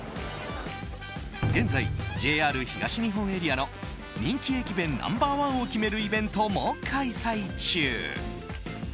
現在、ＪＲ東日本エリアの人気駅弁ナンバー１を決めるイベントも開催中。